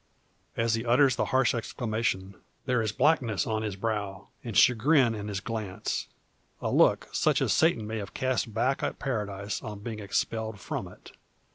As he utters the harsh exclamation there is blackness on his brow, and chagrin in his glance; a look, such as Satan may have cast back at Paradise on being expelled from it.